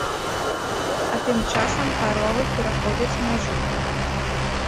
А тым часам каровы пераходзяць мяжу.